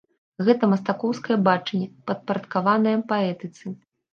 Гэта мастакоўскае бачанне, падпарадкаванае паэтыцы.